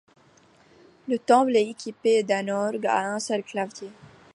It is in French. Le temple est équipé d'un orgue à un seul clavier.